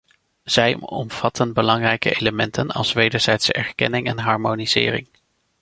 Zij omvatten belangrijke elementen als wederzijdse erkenning en harmonisering.